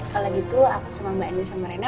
kalau gitu aku sama mbak anies sama rena